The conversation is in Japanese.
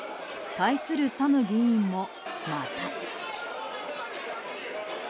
対するサム議員もまた。